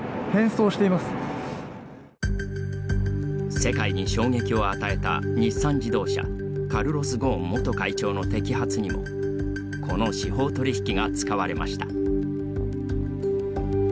世界に衝撃を与えた日産自動車カルロス・ゴーン元会長の摘発にもこの司法取引が使われました。